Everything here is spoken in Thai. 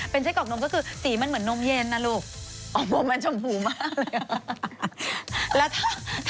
เป็นไส้กรอกนมก็คือสีมันเหมือนนมเย็นนะลูกออกนมมันชมพูมากเลย